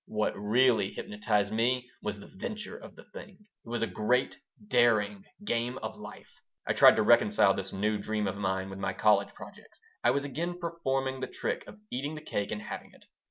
What really hypnotized me was the venture of the thing. It was a great, daring game of life I tried to reconcile this new dream of mine with my college projects. I was again performing the trick of eating the cake and having it.